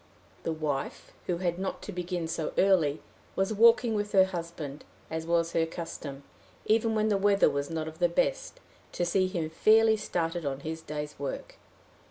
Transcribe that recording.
The wife, who had not to begin so early, was walking with her husband, as was her custom, even when the weather was not of the best, to see him fairly started on his day's work.